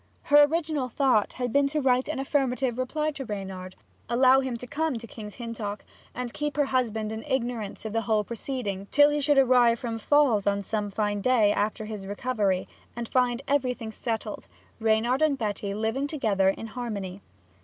Her original thought had been to write an affirmative reply to Reynard, allow him to come on to King's Hintock, and keep her husband in ignorance of the whole proceeding till he should arrive from Falls on some fine day after his recovery, and find everything settled, and Reynard and Betty living together in harmony.